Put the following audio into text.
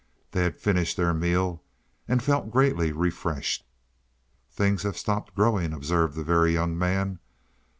They had finished their meal and felt greatly refreshed. "Things have stopped growing," observed the Very Young Man.